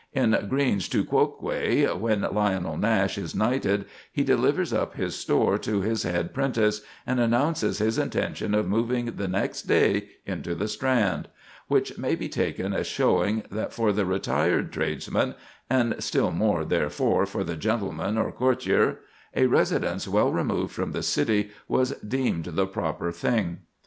In "Greene's Tu Quoque" when Lionel Nash is knighted, he delivers up his store to his head 'prentice, and announces his intention of moving the next day into the Strand; which may be taken as showing that for the retired tradesman,—and still more, therefore, for the gentleman or courtier,—a residence well removed from the city was deemed the proper thing.